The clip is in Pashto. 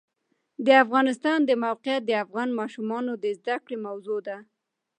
د افغانستان د موقعیت د افغان ماشومانو د زده کړې موضوع ده.